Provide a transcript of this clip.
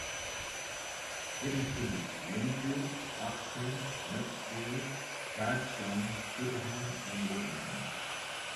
It included Lingfield, Oxted, Limpsfield, Godstone, Caterham and Woldingham.